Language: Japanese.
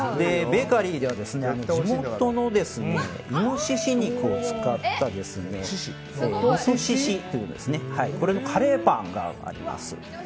ベーカリーでは地元のイノシシ肉を使ったのとししというこれのカレーパンがあります。